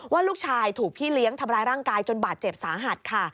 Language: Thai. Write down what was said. ว่าลูกชายถูกพี่เลี้ยงทำร้ายร่างกายจนบาดเจ็บสาหัสค่ะ